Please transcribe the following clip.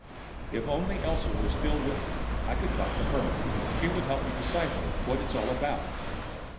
If only Elsa were still with me! I could talk to her. She would help me decipher what it's all about.